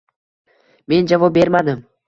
Men javob bermadim